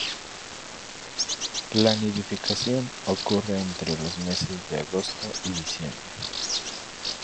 La nidificación ocurre entre los meses de agosto y diciembre.